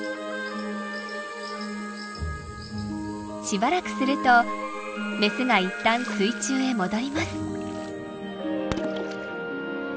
しばらくするとメスが一旦水中へ戻ります。